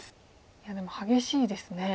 いやでも激しいですね。